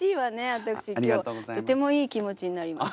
私今日とてもいい気持ちになりました。